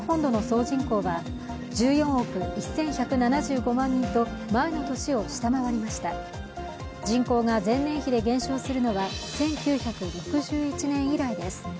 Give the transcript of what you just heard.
人口が前年比で減少するのは１９６１年以来です。